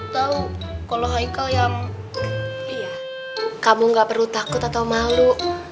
tapi ini mau berarti